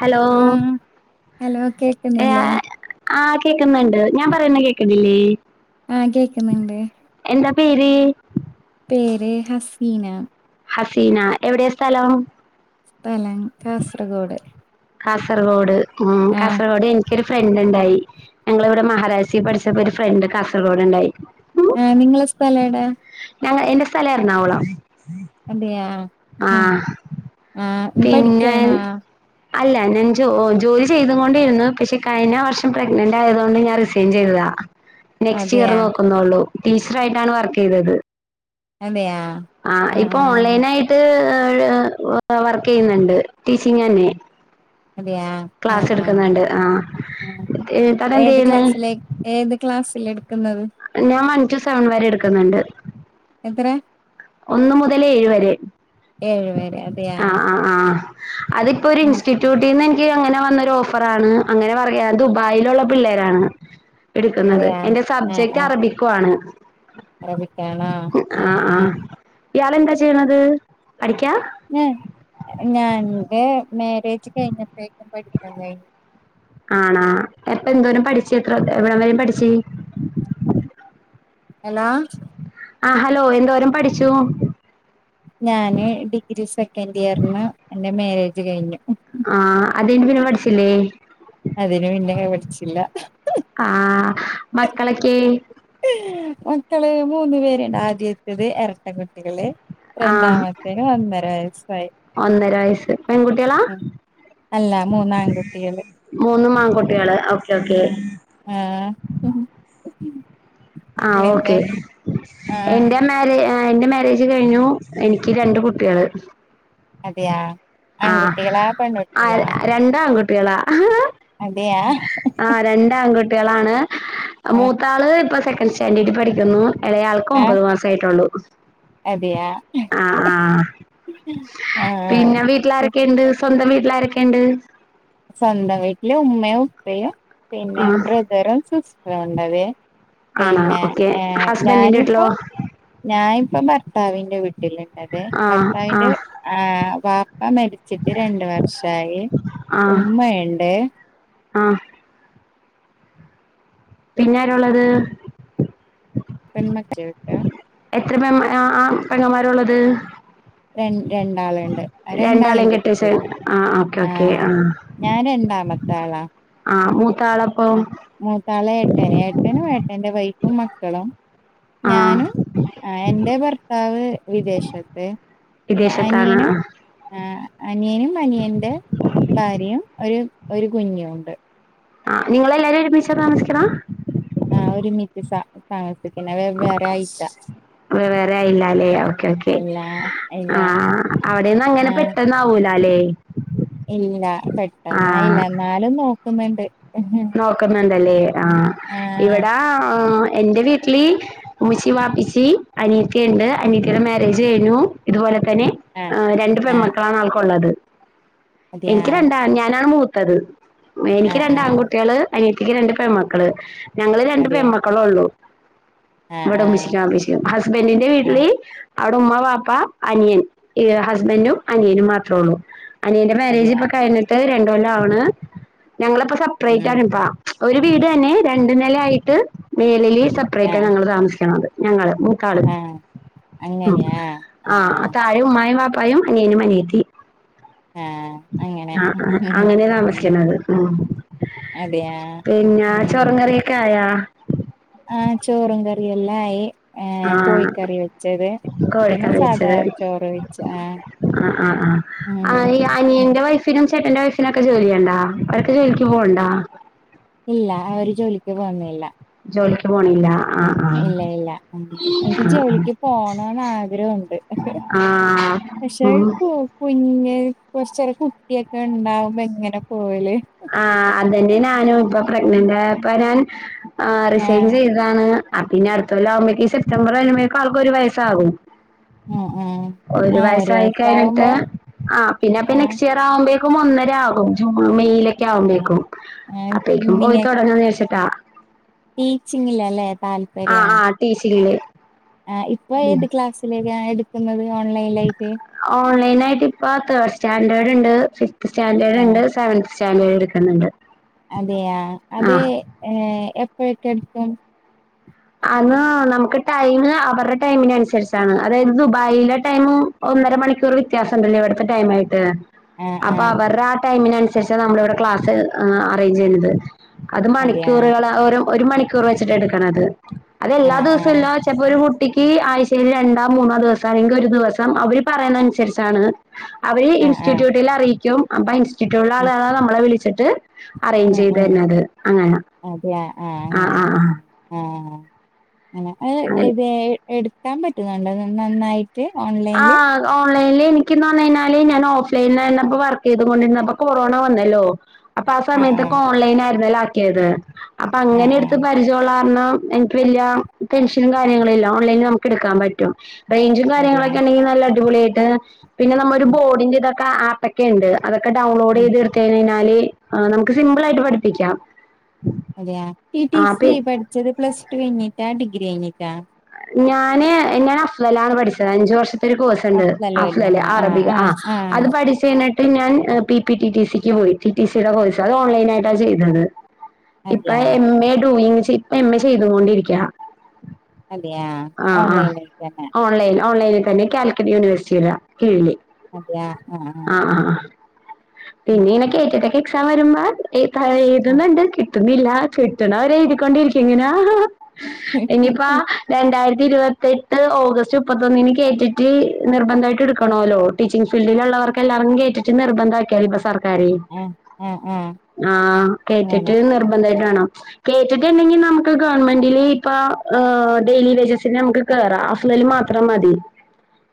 Hello ആഹ് hello കേക്കുന്നില്ലേ ഏഹ്‌ ആഹ് കേക്കുന്നുണ്ട് ഞാൻ പറയുന്നത് കേക്കേന്നില്ലേ ആഹ്‌ കേക്കുന്നുണ്ട് [unintelligible] പേര് ഹസീന ഹസീന എവിടെയ സ്ഥലം സ്ഥലം കാസർഗോഡ് കാസർഗോഡ് ഉം ആഹ് കാസർഗോഡ് എനിക്കൊരു ഫ്രണ്ട് ണ്ടായി ഞങ്ങളിവിടെ മഹാരാജാസിൽ പഠിച്ചപ്പോ ഒരു ഫ്രണ്ട് കാസർഗോഡ് ഉണ്ടായി ഉം ആഹ് നിങ്ങളെ സ്ഥലം എവിടെയ ഞങ്ങ എന്റെ സ്ഥലം എറണാകുളം അതെയ ആഹ് ആഹ് നീ പിന്നെ പഠിക്കയാണോ അല്ല ഞാൻ ജോ ജോലി ചെയ്തുകൊണ്ടിരുന്നു പക്ഷെ കഴിഞ്ഞ വർഷം പ്രഗ്നന്റ് ആയതുകൊണ്ട് ഞാൻ റിസൈൻ ചെയ്തതാ നെക്സ്റ്റ് ഇയർ അതെയാ നോക്കുനോള്ളൂ ടീച്ചർ ആയിട്ടാണ് വർക്കെയ്തത് അതെയാ ആഹ് ഇപ്പൊ ഓൺലൈൻ ആയിട്ട് ഇപ്പോഴ് വർക്ക് ചെയ്യുന്നുണ്ട് ടീച്ചിങ് തന്നെ അതെയ ആഹ് ക്ലാസ് ആഹ് എടുക്കുന്നുണ്ട് ആ താൻ എന്ത് ഏത് ചെയ്യുന്നു ക്ലാസ്സിലേ ഏത് ക്ലാസ്സില് ഞാൻ വൺ ടു സെവൻ വരെ എടുക്കുന്നുണ്ട് എത്ര ഒന്ന് മുതൽ ഏഴ്‌ വരെ ഏഴു പേര് അതെയാ ആഹ് ആഹ് അതിപ്പോ ഒരു ആഹ് ഇൻസ്റ്റിറ്റ്യൂട്ടിന്ന് എൻ ക്ക് അങ്ങനെ വന്നൊരു ഓഫറാണ് അങ്ങനെ പറയ ദുബായിലുള്ള പിള്ളേരാണ് എടുക്കുന്നത് അതെയാ എന്റെ ആഹ് സബ്ജക്ട് ആഹ് അറബിക്കും ആണ് അറബിക്കാണോ ആഹ് ആ ആ ആഹ് ഇയാൾ എന്താ ചെയ്യണത് പഠിക്കാ ഞാൻ ഞാൻ എന്റെ മാരേജ് കഴിഞ്ഞപ്പോഴേക്കും പഠിക്കാൻ കഴിഞ്ഞു അപ്പൊ എന്തോരം പഠിച്ചു എത്ര എവിടം വരെ പഠിച്ച് ഹലോ ആ ഹലോ എന്തോരം പഠിച്ചു? ഞാന് ഡിഗ്രി ഠിച്ചു കഴിഞ്ഞു. ആഹ് അത് കഴിഞ്ഞ് പിന്നെ പഠിച്ചില്ലേ? അതിന് പിന്നെ പഠിച്ചില്ല ആഹ് മക്കളെക്കെ? മക്കള് മൂന്ന് പേര്ണ്ട് ആദ്യത്തേത് എരട്ടകുട്ടികള് ആ രണ്ടാമത്തേന് ഒന്നര വയസായി ഒന്നര വയസ്സ് പെൺകുട്ടികളാ ഉം അല്ല മൂന്നാകുട്ടികള് മൂന്നും ആൺകുട്ടികള് ഓക്കെ ഓക്കെ ഉം ആ ആ ഓക്കെ ആഹ് എന്റെ മാര്യേ ആ ആ എന്റെ മാരേജ് കഴിഞ്ഞു എനിക്ക് രണ്ട് കുട്ട്യേള്. അതെയ ആ ആ ര രണ്ടാങ്കു പിള ആ അതെയാ ആ രണ്ടാംകോ ട്ട്യേളാണ് ആഹ് മൂത്താള് ഇപ്പൊ സെ [unintelligible] സ്റ്റാൻഡേഡി പഠിക്കുന്നു. ഇലയാൾക്കും ആഹ് ഒമ്പത് മാസം ആയിട്ടുള്ളൂ. അതെയാ ആഹ. ലാരെക്കെണ്ട്? സ്വന്തം വീട്ടിലാരാക്കെയണ്ട്? സ്വന്തം വീട്ടില് ഉമ്മയും ഉപ്പയും. ആ പിന്നെ ബ്രദേറും സിസ് വേണ്ടത് ആണോ പിന്നെ ഓക്കെ ഏഹ് ഹസ്ബൻഡിന്റെ ഞാനിപ്പ വീട്ടിലോ ഞാനിപ്പ ഭർത്താവി [unintelligible] ആ [unintelligible] ആ ഭർത്താവിന്റെ ഏഹ് ആ വാപ്പ മരിച്ചിട്ട് രണ്ട് വർഷായി. ഉമ്മയ്ണ്ട് ആഹ് പിന്നാരാള്ളത് [unintelligible] എത്ര പെ ആ പെങ്ങന്മാരുള്ളത്? രണ്ട് രണ്ടാളുണ്ട് രണ്ടാളെയും കെട്ടിച്ചു ആഹ് ഓക്കെ ആ ഓക്കെ ആഹ് ഞാൻ ആഹ് മൂ ആഹ് മൂതാള് എട്ടന് എട്ടനും എട്ട എന്റെ വൈഫും മക്കളും ആ ഞാനും ആ എൻ്റെ ഭർത്താവ് വിദേശത്ത് പിന്നെ വിദേശത്താണ് ആ അനിയനും ആ അനിയനും അനിയന്റെ ഭാര്യയും ഒരു ഒരു കുഞ്ഞു ഉണ്ട് ആഹ് നിങ്ങളെല്ലാരും ഒരുമിച്ചാ താമസിക്കണ ആഹ ഒരുമിറ്റ് സ വെവ്വേറായിട്ടാ വേറെയില്ലല്ലേ, ഓക്കേ ഓക്കേ ഇല്ല ഇല്ല ആ അവിടെന്ന് അങ്ങനെ ആഹ് പെട്ടന്നാവൂല. ട്ടലേ ഇല്ല പെട്ടെന്നായ്ല ന്നാലും നോ ക്ക്ന്ന്ണ്ട് നോക്ക്ന്ന്ണ്ടല്ലേ ആ ഇവിടാ ആ എന്റെ വീട്ടില് ഉമ്മിച്ചി വാപ്പിച്ചി അനിയത്തി ണ്ട് ആഹ് അനിയത്തീടെ മാര്യേ ര്യേജ് കെയ്ഞ്ഞു ഇത്പോലെ തന്നെ ആഹ് രണ്ട് ആഹ് പെൺമക്കളാണ് ഓൾക്കാെള്ളത് അതെയാ എനിക്ക് രണ്ടാൺ ഞാനാണ് മൂ ത്തത് എനിക്ക് ആഹ് രണ്ട് ആഹ് ആങ്കു അനിയത്തിക്ക് രണ്ട് പെമ്മക്കള് ഞങ്ങള് രണ്ട് അതെയാ പെമ്മക്കളൊള്ളു ആഹ് അവ്ടെ ആഹ് [unintelligible] ഹസ്ബന്റിന്റെ ആഹ് വീട്ടില് അവ്ടെ ഉമ്മ വാപ്പ അനിയൻ ഏ ഹസ്ബന്റും അനിയനും മാത്രാെള്ളു അനിയന്റെ അതെയാ മാരേജ്പ്പ കയ്ഞ്ഞ്ട്ട് രൺ ഒലാണ് ഞങ്ങളെപ്പ ഉം ട്ട്രയ്റ്റാണ് ഇപ ഒരു വീടെന്നെ രണ്ട് നെല ആയിട്ട് മേലെല് സപ്പ്റേറ്റ ആഹ് ഞങ്ങള് താമസിക്ക്ണത് ഞങ്ങള് മൂത്താള് ആഹ് മ്മ് ആഹ് താഴെ ഉമ്മായും ബാപ്പായും ഉപ്പായും അനിയനും അനിയത്തിയും ആഹ് അങ്ങനെ ആഹ് ആഹ് അങ്ങനെ ഉം താമസിക്കണത് മ്മ് അതെയാ പിന്നെ ഉം ചോറും കറിയൊക്കെ ആയാ ആഹ് ചോറും കറിയും എല്ലാം ആയി ഏഹ് ആഹ് കോഴിക്കറി വെച്ചത് പിന്നെ കോഴിക്കറി സാധാ വെച്ചത് ചോറ് വെച്ച് ആഹ് ആഹ് ആഹ് ഉം ആഹ് ആ ഉം. അനിയന്റെ വൈഫിനും ചേട്ടന്റെ വൈഫിനൊക്കെ ജോലി ഉണ്ടാ അവരൊക്കെ ജോലിക്ക് പോകണ്ടാ ഇല്ല അവര് ജോലിക്ക് പോകുന്നില്ല ജോലിക്ക് പോണില്ല ആഹ് ആഹ് ഇല്ല ഇല്ല എനിക്ക് ആഹ് ജോലിക്ക് പോണന്ന് ആഗ്രഹമുണ്ട് ആഹ് ആഹ് പക്ഷെ ഉം കുഞ്ഞു കുറച്ചൊരു കുട്ടിയൊക്കെ ഉണ്ടാവുമ്പോ എങ്ങനെ പോകല് ആഹ് അതന്നെ ഞാനും ഇപ്പൊ പ്രഗ്നന്റ് ആയപ്പോ ഞാൻ ആഹ് റിസൈൻ ചെയ്തതാണ് അ പിന്നെ അടുത്തോല്ലം ആകുമ്പോ ഈ സെ്റ്റംബർ വരുമ്പോഴേക്കും ആക്ക് ഒരു വയസ്സാകും ആഹ് ആഹ് ഒരു ആഹ് വയസായി കഴിഞ്ഞിട്ട് വയസാവുമ്പോ ആ പിന്നെ അപ്പൊ ആഹ് നെക്സ്റ്റ് ഇയർ ആവുമ്പ ഒന്നരാകും ജൂൺ മെയ് ആഹ് ആവുമ്പക്കും ആഹ് അപ്പേക്കും പോയി തുടങ്ങാ താ ടീച്ചിങ്ങില്ലല്ലേ ആ ആ ടീസി ആ ഇപ്പൊ ഏത് ക്ലാസ്സിലേക്ക എടുക്കുന്നത് ഓൺലൈനായിട്ട് ഓൺലൈനായിട്ട് ഇപ്പ തേർഡ് സ്റ്റാൻഡേർഡ് ഉണ്ട് സ്റ്റാൻഡേർഡ് ആഹ് ഉണ്ട് സെവൻ സ്റ്റാ സ്റ്റാൻഡേർഡ് എടുക്കുന്നുണ്ട് അതെയാ അതെ ആഹ് ഏഹ് പോയിട്ട് എടുക്ക അത് നമുക്ക് ടൈം അവരുടെ ടൈമിന് അനുസരിച്ചാണ് അതായത് ദുബായിലെ ടൈം ഒന്നര മണിക്കൂർ വ്യത്യാസമുണ്ടല്ലോ ഇവിടുത്തെ ടൈം ആയിട്ട് ആഹ് അപ്പൊ ആഹ് അവരുടെ ആ ടൈമിന ശേഷം നമ്മള് ഇവിടെ ക്ലാസ് അറേഞ്ച് ചെയ്യുന്നത് അത് അതെയാ മണിക്കൂറുകൾ ഒരു ഒരു മണിക്കൂർ വെച്ചിട്ട് എടുക്കണത് ഉ അതെല്ലാ ആഹ് ദിവസവും ആഹ് ഇല്ല ചെപ്പോ ഒരു കുട്ടിക്ക് ആഴ്ചയിൽ രണ്ടോ മൂന്നോ ദിവസം അല്ലെങ്കിൽ ഒരു ദിവസം അവര് പറയുന്നതനുസരിച്ചാണ് അവര് ആഹ് ആഹ് ഇൻസ്റ്റിറ്റ്യൂട്ടിൽ അറിയിക്കും അപ്പ ഇൻസ്റ്റിറ്റ്യൂട്ട് സ്റ്റിറ്റ്യൂട്ടുള ഉം ആളുകള് നമ്മളെ വിളിക്കും സെറ്റ് ഉം ഉ അതെ ആ അ അങ്ങനെ ആഹ് ആഹ് ആഹ്. അ ആ ഒന്നും കേൾക്കാൻ മേല അങ്ങനെ ആ അ ഇതെ എടുക്കാൻ പറ്റുന്നുണ്ട് നന്നായിട്ട് ഓൺലൈൻനിൽ ഓൺലൈനിൽ എനക്ക്ന്ന് പറഞ്ഞ് കഴിഞ്ഞാൾ ഞാൻ ഓഫ്ലൈനിൽന്നപ്പോ വർക്ക് ചെയ്തൊണ്ടിരുന്നപ്പോ കൊറോണ വന്നല്ലോ അപ്പൊ ആ ആഹ് സമയത്തൊക്കെ ആഹ് ഓൺലൈൻ ആയിരുന്നല്ലോ ക്കേത് അപ്പൊ അങ്ങനെ ആഹ് എടുത്ത് ആഹ് പരിജൊള്ളാ ണം എനിക്ക് വല്യ പെൻഷനും കാര്യങ്ങളും ഇല്ല ഓൺലൈനിൽ നമ്മുക്ക് എടുക്കാൻ പറ്റും റേഞ്ചും അതെയാ കാര്യങ്ങളൊക്കെ നല്ല അടിപൊളി ആയിട്ട് പിന്നെ നമ്മൊളൊരു ഉം ബോഡിന്റെ ഇ പ്പ ആപ്പക്കെണ്ട് അതൊക്കെ ഡൗൺലോഡ് ഉം ചെയ്തെടുത്തു കഴിഞ്ഞാല് നമ്മുക്ക് സിമ്പിൾ ആയിട്ട് പഠിപ്പിക്കാം അതെയ ടി ടി സി ആഹ് പഠിച്ചത് പ്ലസ് ടു കഴിഞ്ഞിട്ടാ ഡിഗ്രി ഡിഗ്രി കഴിഞ്ഞിട്ടാ ഞാൻ ഞാൻ അഫ്ലാലാണ് പഠിച്ചത് അഞ്ച് വർഷം കോഴ്സ് ഉണ്ട് അഫ്ലലുലുമ അഫ്ലല്ല ആഹ് അറബിക് ആ ആഹ് ആഹ് അത് പഠിച്ച് കഴിഞ്ഞിട്ട് പ്പ ഞാൻ പി പി ടി ടി സിക്ക് പോയി ടി ടി സിയുടെ കോഴ്സ് അത് ഓൺലൈനായിട്ടാണ് ചെയ്തത് ഇപ്പ അതെയാ എം എ ആഹ് ഡൂയിംങ് ചെ എം എ ചെയ്തൊണ്ടിരിക്കുകയാ അതെയാ ഓൺലൈനിൽ തന്നെ ഓൺലൈൻ ഓൺലൈനിൽ തന്നെ കാലിക്കറ്റ് യൂണിവേഴ്സിറ്റിയുടെ കീഴിൽ അതെയാ ആഹ് ആ പിന്നീനെ കെ ടെറ്റൊക്കെ ക്ഷ വരുമ്പോ എ ആ ആഹ് ആഹ് എഴുതുന്നുണ്ട് കിട്ട ട്ടുന്നില്ല കിട്ടണവരെ എഴുതിക്കൊണ്ടിരിക്കും ഇങ്ങനാ [unintelligible] രണ്ടായിരത്തി ഇരുപത്തെട്ട് ഓഗസ്റ്റ് മുപ്പത്തൊന്നിന് കേറ്റെറ്റ് നിർബന്ധായിട്ടും എടുക്കണോല്ലോ ടീച്ചി ഇങ് ഫിൽഡിലുള്ള വർക്കെല്ലാവർക്കും കെ ടെറ്റ് നിർബന്ധാക്കി ഐബെസ്സാറ് കരയും ആഹ് ആഹ് ആഹ് ആഹ് കെ അങ്ങനെ ടെറ്റ് നിർബന്ധായിട്ടാണാ കെ ടെറ്റ് ഉണ്ടെങ്കിൽ നമുക്ക് ഗവൺമെന്റില് ഇപ്പ ഏ ഡെയിലി വേജസിന് നമുക്ക് കേറാം അഫ്ലയല് മാത്രം മതി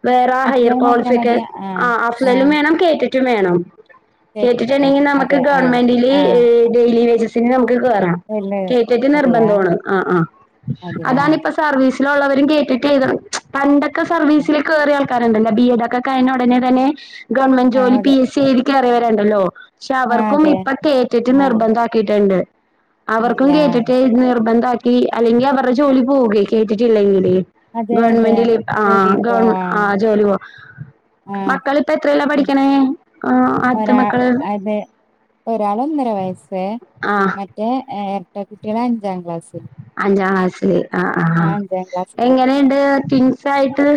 വേറെ ഹയർ അഫ്ലൽ മാത്രം ക്വാളിഫിക്കെ മതിയാ ആ ആഹ് അഫ്ളേലും ആഹ് വേണം കെ ടെറ്റ് റ്റും വേണം കെ ശരി ടെറ്റ് ആ ണ്ടെങ്കിൽ നമുക്ക് അതെ ആ ഗവൺമെന്റില് ആ ഡെയിലി വേജസ് [unintelligible] [unintelligible] അല്ല കെ ടെറ്റ് അതെയാ നിർബന്ധമാണ് ആഹ് ആഹ് അതെയാ അതാണ് ഇപ്പ സ് ലിസ്റ്റിലുള്ളവരും കെ ടെറ്റ് എഴുതണം പണ്ട ക്ക് ആ സർവീസില് കേറ്കാ കറൻ്റല്ല ബി എഡ് ഒക്കെ കഴിഞ്ഞ ഉടനെ തന്നെ ഗവൺമെന്റ് ആ, ജോലി പി അതെ എസ് സി എ കേറിയവരണ്ടല്ലോ പക്ഷെ ആ അവർക്കും അതെ ഇപ്പൊ കെ ആ ടെറ്റ് നിർബന്ധാക്കിയിട്ടുണ്ട് അവർക്കും അതെയാ കേട്ടിട്ട് നിർബന്ധാ [unintelligible] അല്ലെങ്കിൽ അവരുടെ ജോലി പോവുകേം കേട്ടിട്ടില്ലിങ്ങിനെ അതെ അതെ ഗവൺമെന്റില് ആ ജോലി ഗവൺമെൻ പോവാ ആ ജോലി നോ ആ മക്കളിപ്പ എത്രേലാ ഉം. പഠിക്കണേ ആ ആദ്യത്തെ ഒരാ മക്കള് അതെ ഒരാൾ ഒന്നര ആഹ് റ്റേ കുട്ടികള് അഞ്ചാം ക്ലാസ്സില് ജാസ് ആ ആ പഠിക്കുന്നത് എങ്ങനെയുണ്ട് ടിൻ സായിട്ട്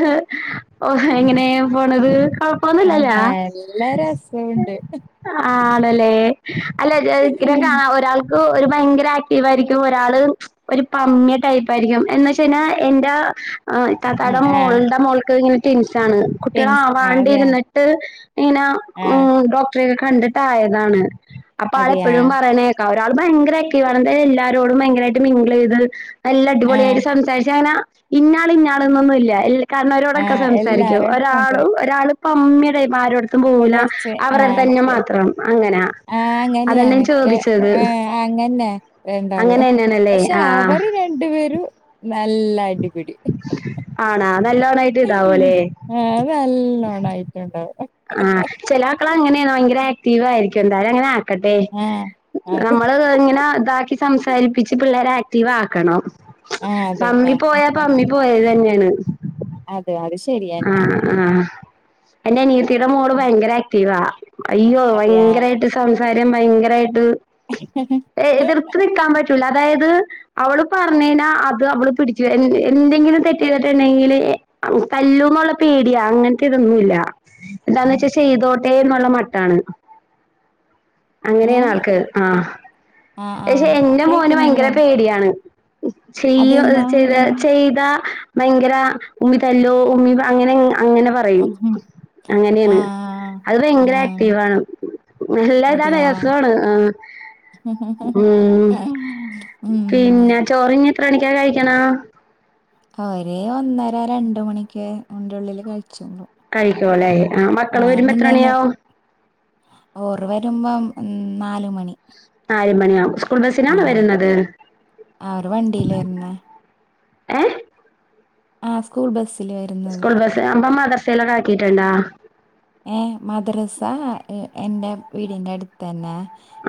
ഓ ഉം. എങ്ങനേ പോണത് കൊഴപ്പോന്നും ആ ഇല്ലല്ലാ നല്ല രസമുണ്ട് ആ ആണല്ലേ അല്ലെ [unintelligible] ഒരാൾ ഒരു ഭയങ്കര ആക്ടീവ് ആയിരിക്കു രാള് ഒരു പമ്മിയ ടൈപ്പ് ആയിരിക്കും എന്ന് വെച്ച് കഴിഞ്ഞാൽ എന്റെ ആ ഇത്താക്കാട ഉം, ആ മോളുടെ മോൾക്ക് ഇങ്ങനെ ടിൻസ് ട്ടാണ് പെൻസ് ആ അതെയാ കുട്ടികളാവാണ്ടിരുന്നിട്ട് ഇങ്ങനെ ആ ഉം ഡോ [unintelligible] കണ്ടിട്ടായതാണ് അപ്പൊ ആളെ അതെയാ എപ്പോഴും പറയണേ ക്ക ഒരാൾ ഭയങ്കര ആക്റ്റിവാണ് തായ എല്ലാരു രോടും ഭയങ്കരമായിട്ട് മിംഗിൾ ചെയ്ത് നല്ല ആ അടിപൊളിയായി സംസാരിച്ചു അങ്ങനെ ഇന്നാള് ഇന്നാളന്നൊന്നും ഇല്ല എല്ലാ ആ കാരണംവരോടൊക്കെ സംസാരിക്കും എല്ലാരും ഒരാള് സംസാരിക്കും ഒരാള് പമ്മി ദേ മാരോട്ത്തും ഇപ്പൊ പോകൂല കൊറച്ച് അവരടുത്തന്നെ ആക്ട് മാത്രം അങ്ങനെ ആ അങ്ങനെയാണ് ര ആ അങ്ങനന്നെ രണ്ടാ അങ്ങനെ തന്നെയാണല്ലേ പക്ഷെ ആഹ് അവര് രണ്ടുപേരും നല്ല ല്ല അടിപിടി ആണാ നല്ലോണായിട്ട് ഇതാവൂലേ ആ നല്ലോണം ആയിട്ടുണ്ടാവും ആഹ് ക്കും ത്തായാലങ്ങനാ ക്കട്ടെ അത് നമ്മള് ഇങ്ങനെ ഇതാക്കി സംസാരിപ്പിച്ച് പിള്ളേരെ ആ ക്ടീവാക്കണം. ആ അതന്നെ പോയപ്പമ്മി പോയത് തന്നെ ണ് അ അതെ അത് ശരിയന്നെ എൻ്റെ അനിയ ത്തീടെ മോള് ഭയങ്കര ആക്ടീവാ അയ്യോ അതെയാ ഭയങ്കരായിട്ട് സം കാര്യം ഭയങ്കരായി ട്ട് എതിർത്ത് നിക്കാൻ പറ്റൂല അതായത് അവള് പറനേഞ്ഞാ അത് അവള് പിടിച്ചു എന്ത് എന്തെങ്കിലും തെറ്റ് ചെയ്ത് ണ്ട് ണ്ടെങ്കില് തല്ലൂന്നുള്ള പേടിയാ അങ്ങനത്തെ ഇതൊന്നൂല്ല. എന്താന്ന് വെച്ചാ ചെയ്തോട്ടെ എന്ന മട്ടാണ്. ഹലോ അങ്ങനെയാണ് ആൾക്ക്. ആ ആ ആ പക്ഷെ എന്റെ മോന് ഭയങ്കര കേക്കുന്നില്ലേ പേടിയാണ് ചെയ്യോ അത് അതെന്താ ചെയ്ത അങ്ങനെ ചെയ്താ ഭയങ്കര ഉമ്മി തല്ലോ ഉമ്മി അങ്ങനെ അങ്ങനെ ആ പറയും. ആ അങ്ങനെയാണ്. അത് ആ ഭയങ്കര ആക്റ്റീവാണ്. അല്ല അതെയാ പ്രയാസാണ് ആ ആ ഉം പിന്നെ ചോറു തിന്ന എത്ര മണിക്കാ കഴിക്കണേ അവര് ഒന്നര രണ്ട് മണിക്ക് ഒന്റെ ള്ളില് കഴി കഴിക്കു അല്ലേ ആ മക്കള് വരുമ്പോ എത്രണിയാവും ഓർ വരുമ്പോം നാലുമണി നാലു മണിയാവും. സ്കൂൾ ബസിനാണോ വരുന്നത്? അവർ വണ്ടിയില് വരുന്നെ ഏ ആ സ്കൂൾ ബസ് സ്കൂൾ ബസ് അപ്പ മദർ സേലതാക്കിട്ട്ണ്ടാ ഏ മദ്രസ എ എൻ്റെ വീടിന്റെ അടുത്തന്നെ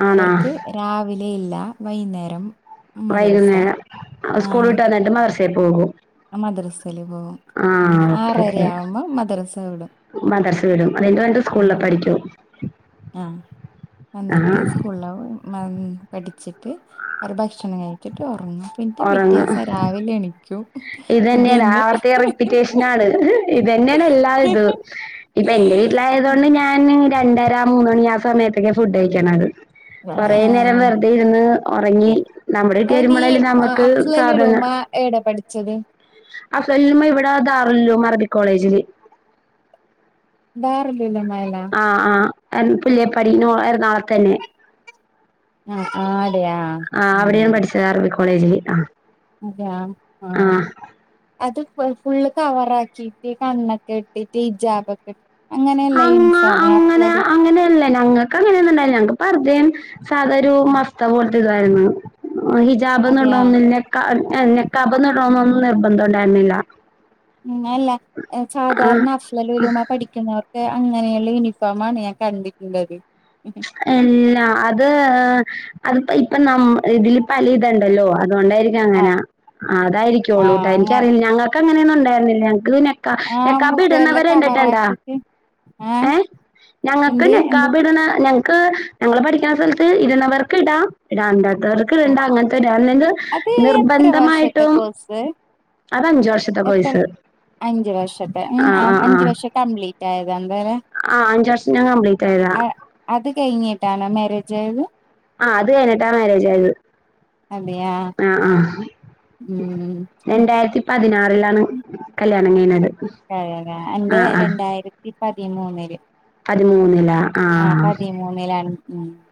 ആണോ? അവർക്ക് രാവിലെയില്ല. വൈന്നേരം വൈകുന്നേരം സ്കൂൾ വിട്ട് വന്നിട്ട് മദർസ സെ പോകും മദ്രസേൽ പോകും മ്മ് ആഹ് ഓക്കെ ആറര ഓക്കെ ആവുമ്പോ മദ്രസ വിടും മദർസ് വിടും അതിന്റെ വന്നിട്ട് സ്കൂളില് മ്മ് പഠിക്കും ആഹ് വന്നിട്ട് ആഹ് സ്കൂളിലെ പഠിച്ചിട്ട് അവര് ഭക്ഷണം കഴിച്ചിട്ട് ഉറങ്ങും റങ്ങും പിറ്റെ ഉറങ്ങും പിറ്റേസം രാവിലെ എണിക്കും ഇത് തന്നെയാണ് ഇതന്നെ ആവർത്തി റിപ്പിറ്റേഷന് ആണ് ഇത് തന്നെയാണ് എല്ലാ ഇതും ഇപ്പൊ എന്റെ വീട്ടിലായത് കൊണ്ട് ഞാൻ രണ്ടര മൂന്ന് ആ സമയത്തൊക്കെ ഫുഡ് കഴിക്കണത് കൊറെ നേരം ആഹ് വെറുതെ ഇരുന്ന് ഉറങ്ങി ഇ- നമ്മുടെ വീട്ടിൽ അപ്പൊ നീ വരുമ്പോളല്ലെ നമുക്ക് സ്വാത ച്ചത് അഫ്‌ലുല്ലമ ഇവിടെ ദാറുൽ ലും അറബിക്ക് കോളേജില് ദാറുൽ [unintelligible] പുല്ലേപാടി എറണകുളത്തന്നെ ആഹ് ആഹ് ആഹ് അവിടെയാണ് പഠിച്ചത് അറബിക് കോ കോളേജില് ആഹ് അതെയാ ആഹ് അത് ഫുള്ള് കവറ് ആക്കിട്ട് കണ്ണൊക്കെ ഇട്ടിട്ട് ഹിജാബൊക്കെ അങ്ങനെയല്ലെ യൂണിഫോം അഫ്ലല് ഞങ്ങക്ക് അങ്ങനെയന്നണ്ടായില്ല ഞങ്ങക്ക് പറദെയും സാധാ ഒരു മസ്ത പോലെ ഇതായിരുന്നു ഹിജാബ് ഇന്ന് അതെയാ ഇട്ണൊന്ന്ല്ല [unintelligible] ഇക്കാബ്ന്ന്ടണോന്നൊന്നും നിർബന്ധം ഉണ്ടായിരുന്നില്ല മ്മ് അല്ല ആ ച്ചാധാരണ അസ്ലല ലുലൂമ പഠിക്കുന്നവർ എഹ് റഅങ്ങനെയുള്ള യൂണിഫോമാണ് ഞാൻ കണ്ടിട്ടുള്ളത് എല്ലാ അത് അത് ഇപ്പ നമ്മ ഇതില് പല ഇതണ്ടല്ലോ അതുകൊണ്ടായിരിക്കും ആഹ് അങ്ങനെ ആഹ് അതായിരിക്കുവോളൂട്ടാ അങ്ങ ഇൻക്കറിൽ [unintelligible] ഞങ്ങൾക്ക് അങ്ങനൊന്നുണ്ടായിര്ന്നില്ല ഞങ ഇതെ ക്ക് പിന്നെ ക്ക ആഹ് നെക്കാബി മുഖെല്ലാം ഇട്ന്നവരണ്ട്ട്ണ്ടാ കവറാക്കിട്ട് ആഹ് ഏഹ് ഞങ്ങൾക്ക് എന്ത് എന്ത് നെക്കാബിഇടുന്ന ഞ ക്ക്ഞങ്ങൾ പഠിക്ക്ന്ന സ്ഥലത്ത് ഇടുന്നവർക്ക് ഇടാം ഇടാണ്ട വർക്ക് ആഹ് ഇടണ്ട അങ്ങനത്തെ നവൺമെന്റ്ണ്ട് അത് എത്ര വർഷത്തെ നിർബന്ധമായിട്ടും കോഴ്സ് അത് അഞ്ചു വർഷത്തെ എത്ര കോഴ്സ് അഞ്ച് വർഷത്തെ ഉം ആഹ് ആ ആഹ് അഞ്ച് ആഹ് വർഷം കംപ്ലീറ്റ് ആയതാ എന്താലെ ആ അഞ്ച് വർഷം ഞാൻ കംപ്ലീറ്റ് ആയതാ ട്ടാണോ മാരേജ് ആയത് ആ അത് കഴഞ്ഞിട്ടാ മാരേജ് ആയത് അതെയാ ആ ആ ഓ ഉം രണ്ടായിരത്തി പതിനാറിൽ. താണ് കല്ല അ അങ്ങനെ എൻ്റെ ആഹ് രണ്ടായിരത്തി പതിമൂന്നില്. പതിമൂന്നിലാ ആ ആഹ് പതിമൂന്നിലാണ്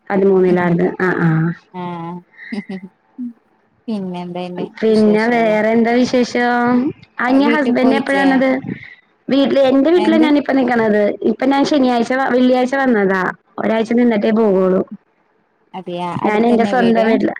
പതിമൂന്നിലാത് ആ ആ ആ ഹ് ഹ് പിന്നെ വേറെ എന്താ വിശേഷം അന്ന വീട്ടിൽ ഹസ്ബൻഡ് പോയിട്ടില്ലേ എപ്പഴാന്നത് എൻ്റെ വീട്ടില എന്ത് ഇപ്പ നിക്ക്ണത് ഇപ്പൊ ഞാൻ ശനിയാഴ്ച വെള്ളിയാഴ്ച വന്നതാ ഒരാഴ്ച നിന്നിട്ടേ പോകുള്ളൂ. അതെയാ അടുത്തന്നെ വീട്. വീട്ടില്